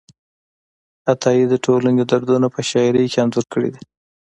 عطایي د ټولنې دردونه په شاعرۍ کې انځور کړي دي.